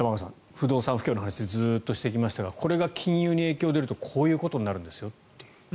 不動産不況の話をずっとしてきましたがこれが金融に影響が出るとこういうことになるんですよと。